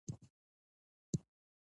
هغه پخپله ویلې دي داسې څه به وکړم.